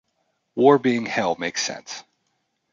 War being hell makes sense.